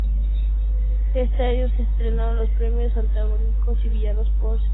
Este año se entregaron los premios Antagónicos y Villanos por separado.